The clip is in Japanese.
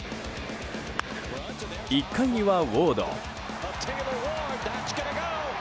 １回にはウォード。